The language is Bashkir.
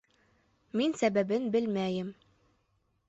Мин сәбәбен белмәйем